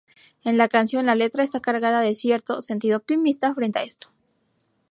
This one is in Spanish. En la canción, la Letra está cargada de cierto "sentido optimista" frente a esto.